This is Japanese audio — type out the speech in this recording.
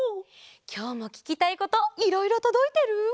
きょうもききたいこといろいろとどいてる？